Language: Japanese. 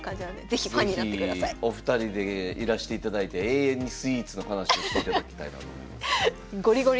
是非お二人でいらしていただいて永遠にスイーツの話をしていただきたいなと思います。